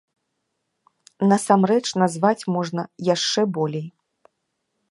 Насамрэч назваць можна яшчэ болей.